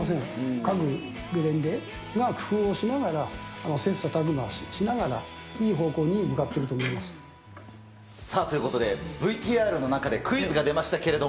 各ゲレンデが工夫をしながら、切さたく磨しながら、いい方向にさあ、ということで、ＶＴＲの中でクイズが出ましたけれども。